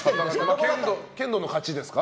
剣道の勝ちですか？